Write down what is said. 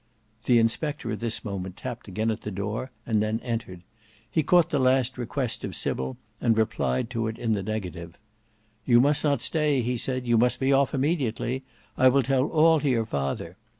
The inspector at this moment tapped again at the door and then entered. He caught the last request of Sybil, and replied to it in the negative. "You must not stay," he said; "you must be off immediately. I will tell all to your father.